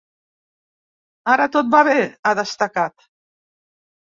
“Ara tot va bé”, ha destacat.